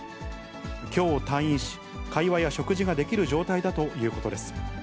きょう退院し、会話や食事ができる状態だということです。